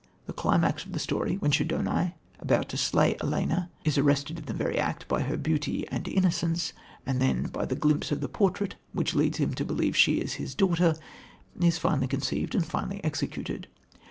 The climax of the story when Schedoni, about to slay Ellena, is arrested in the very act by her beauty and innocence, and then by the glimpse of the portrait which leads him to believe she is his daughter, is finely conceived and finely executed.